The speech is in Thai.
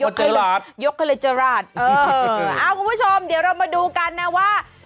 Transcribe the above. ประเจราะห์ยกเข้าเลยเจราะห์เออเอาคุณผู้ชมเดี๋ยวเรามาดูกันนะว่า